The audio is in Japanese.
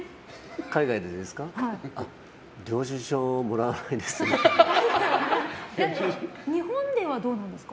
海外でですか。